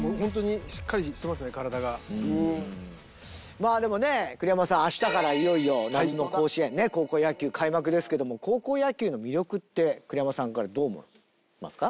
まあでもね栗山さん明日からいよいよ夏の甲子園ね高校野球開幕ですけども高校野球の魅力って栗山さんからどう思いますか？